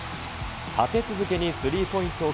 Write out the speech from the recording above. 立て続けにスリーポイントを